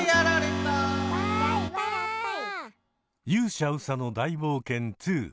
「勇者うさの大冒険２」